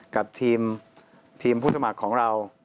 กับทีมผู้สมัครของเรา